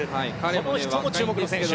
この人も注目の選手。